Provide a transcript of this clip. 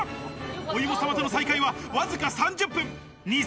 お芋様との再会は、わずか３０分。